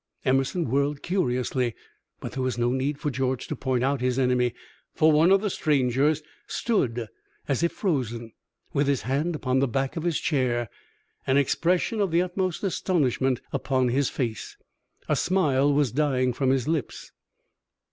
Emerson whirled curiously; but there was no need for George to point out his enemy, for one of the strangers stood as if frozen, with his hand upon the back of his chair, an expression of the utmost astonishment upon his face. A smile was dying from his lips.